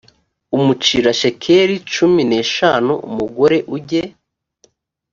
umucira shekeli cumi n eshanu umugore ujye